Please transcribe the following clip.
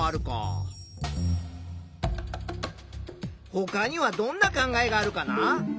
ほかにはどんな考えがあるかな？